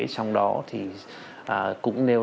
trong đó thì cũng nêu